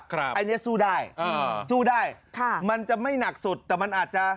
อันนี้สู้ได้อ่าสู้ได้ค่ะมันจะไม่หนักสุดแต่มันอาจจะ